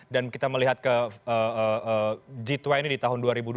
dan kita melihat ke g dua puluh di tahun dua ribu dua puluh dua